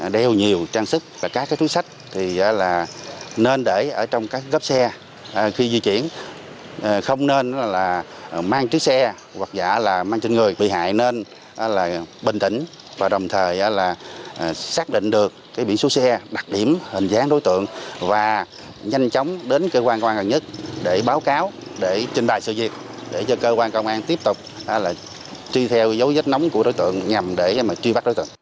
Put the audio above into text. để báo cáo để trình bày sự việc để cho cơ quan công an tiếp tục truy theo dấu vết nóng của đối tượng nhằm để truy bắt đối tượng